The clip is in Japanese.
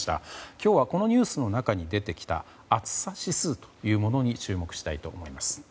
今日はこのニュースの中に出てきた暑さ指数というものに注目したいと思います。